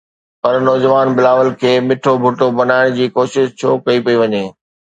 پر نوجوان بلاول کي مٺو ڀٽو بنائڻ جي ڪوشش ڇو ڪئي پئي وڃي؟